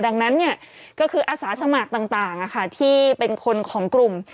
ดังนั้นก็คืออาสาสมัครต่างที่เป็นคนของกลุ่ม